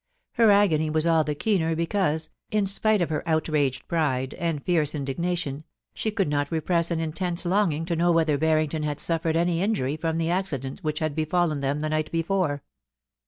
Her agony was all the keener because, in spite of her outraged pride and fierce in dignation, she could not repress an intense longing to know whether Barrington had suffered any injury from the accident which had befallen them the night before.